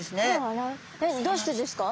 どうしてですか？